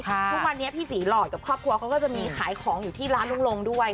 ทุกวันนี้พี่ศรีหลอดกับครอบครัวเขาก็จะมีขายของอยู่ที่ร้านลุงลงด้วย